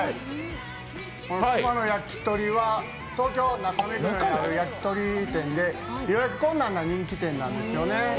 熊の焼鳥は東京・中目黒にある焼き鳥店で予約困難な人気店なんですよね。